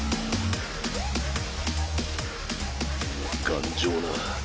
頑丈な。